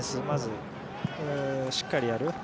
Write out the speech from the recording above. まずしっかりやる。